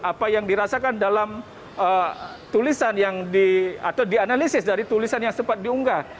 apa yang dirasakan dalam tulisan yang dianalisis dari tulisan yang sempat diunggah